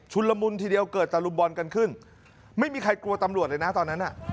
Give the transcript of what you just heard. ละมุนทีเดียวเกิดตะลุมบอลกันขึ้นไม่มีใครกลัวตำรวจเลยนะตอนนั้นน่ะ